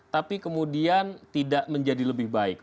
tapi kemudian tidak menjadi lebih baik